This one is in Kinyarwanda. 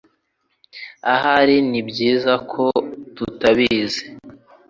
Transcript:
Ahari nibyiza ko tutabizi